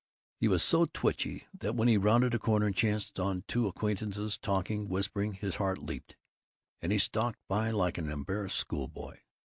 He was so twitchy that when he rounded a corner and chanced on two acquaintances talking whispering his heart leaped, and he stalked by like an embarrassed schoolboy.